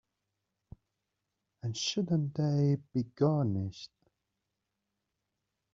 And shouldn't they be garnished?